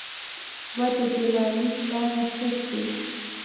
وه د ګلالي پلاره څه سوې.